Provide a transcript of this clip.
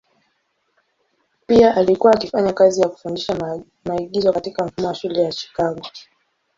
Pia alikuwa akifanya kazi ya kufundisha maigizo katika mfumo wa shule ya Chicago.